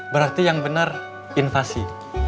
berarti yang benar invasi